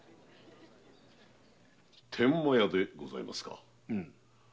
“天満屋”でございますか？